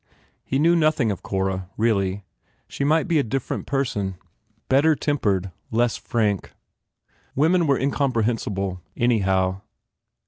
He knew nothing of Cora, really. She might be a different person, better tempered, less frank. Women were incompre hensible, anyhow.